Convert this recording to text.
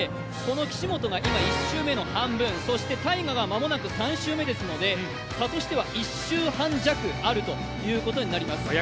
この岸本が１周目の半分、そしてＴＡＩＧＡが間もなく３周目ですので差としては１周半弱あるということです。